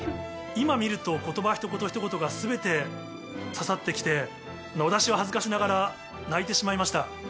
今見ると言葉ひと言ひと言が全て刺さって来て私は恥ずかしながら泣いてしまいました。